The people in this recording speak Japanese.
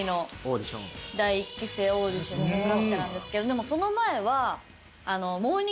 でもその前は。